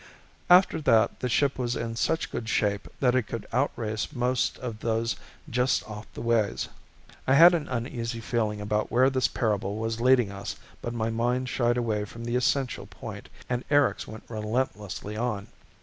After that the ship was in such good shape that it could outrace most of those just off the ways." I had an uneasy feeling about where this parable was leading us but my mind shied away from the essential point and Erics went relentlessly on.